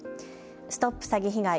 ＳＴＯＰ詐欺被害！